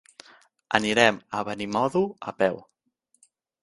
Anirem a Benimodo a peu.